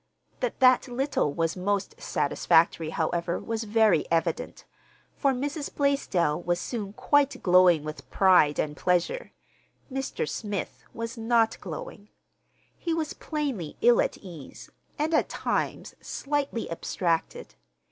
That that little was most satisfactory, however, was very evident; for Mrs. Blaisdell was soon quite glowing with pride and pleasure. Mr. Smith was not glowing. He was plainly ill at ease, and, at times, slightly abstracted.